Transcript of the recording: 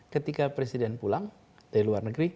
ketika presiden pulang dari luar negeri